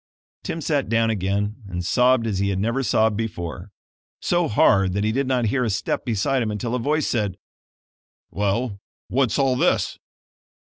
Tim sat down again and sobbed as he had never sobbed before; so hard that he did not hear a step beside him until a voice said: "Well, what's all this?"